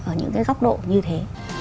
ở những cái góc độ như thế